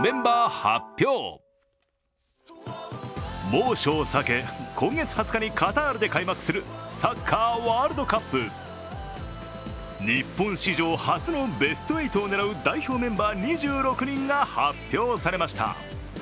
猛暑を避け、今月２０日にカタールで開幕するサッカーワールドカップ。日本史上初のベスト８を狙う代表メンバー２６人が発表されました。